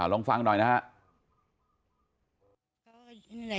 ลองฟังหน่อยนะฮะ